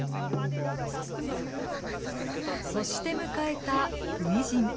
そして迎えた初陣。